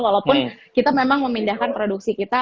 walaupun kita memang memindahkan produksi kita